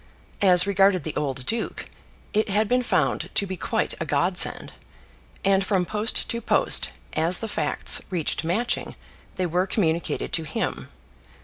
As regarded the old duke, it had been found to be quite a godsend; and from post to post as the facts reached Matching they were communicated to him.